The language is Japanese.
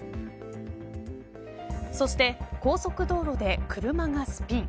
そして高速道路で車がスピン。